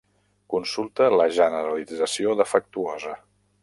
Consulta la generalització defectuosa.